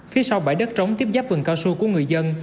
phía sau bãi đất trống tiếp giáp vườn cao su của người dân